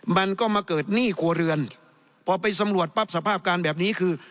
มันก็มาเกิดหนี้ครัวเรือนพอไปสำรวจปั๊บสภาพการแบบนี้คือ